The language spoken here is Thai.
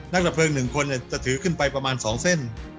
ดับเพลิง๑คนจะถือขึ้นไปประมาณ๒เส้น